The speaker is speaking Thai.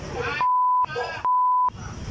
บ๊อบอะไรล่ะ